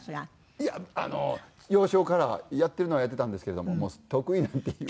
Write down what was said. いやあの幼少からやってるのはやってたんですけれども得意なんていう言葉は。